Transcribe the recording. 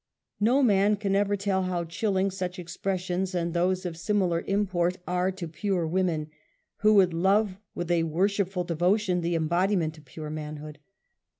No man can ever tell how chilling such expressions and those of similar import are to pure women, who ^vould love with a worshipful devotion the embodi l^ment of pure manhood.